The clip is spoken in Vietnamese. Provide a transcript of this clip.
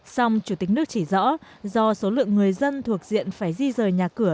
song chủ tịch nước chỉ rõ do số lượng người dân thuộc diện phải di rời nhà cửa